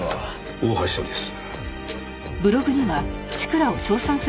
大橋署です。